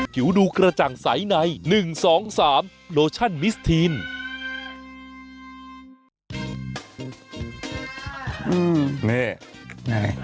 ผิวดูกระจ่างใสใน๑๒๓โลชั่นมิสทีน